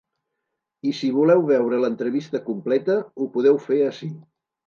I si voleu veure l’entrevista completa, ho podeu fer ací.